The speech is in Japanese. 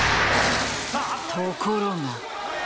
ところが。